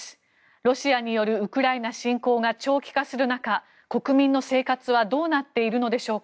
ロシアによるウクライナ侵攻が長期化する中、国民の生活はどうなっているのでしょうか。